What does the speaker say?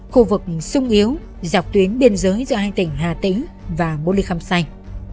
khu vực sung yếu dọc tuyến biên giới giữa hai tỉnh hà tĩnh và bô lê căm say